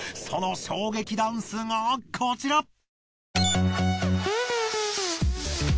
その衝撃ダンスがこちら！